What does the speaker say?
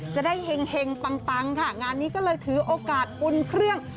เห็งปังค่ะงานนี้ก็เลยถือโอกาสอุ่นเครื่อง